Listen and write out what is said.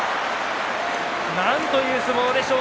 なんという相撲でしょう